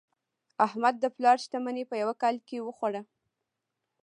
احمد د پلار شتمني په یوه کال کې وخوړه.